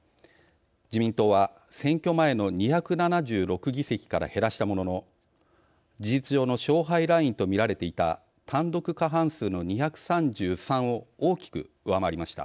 自民党は選挙前の２７６議席から減らしたものの事実上の勝敗ラインとみられていた単独過半数の２３３を大きく上回りました。